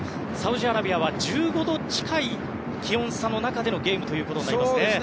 サウジアラビアは１５度近い気温差の中でのゲームとなりますね。